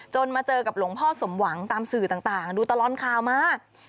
มาเจอกับหลวงพ่อสมหวังตามสื่อต่างดูตลอดข่าวมา